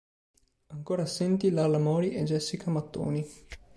Ancora assenti Lara Mori e Jessica Mattoni.